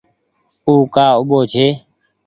او ڪآ اُوٻو ڇي۔